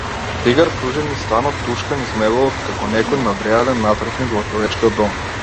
Тигар кружи низ станот, душка низ мебелот како некој надреален натрапник во човечкиот дом.